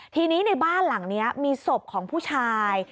ทีนี้ในบ้านหลังนี้มีศพของผู้ชาย